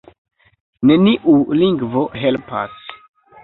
Neniu lingvo helpas.